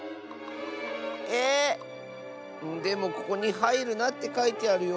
ええっ⁉でもここに「はいるな！」ってかいてあるよ。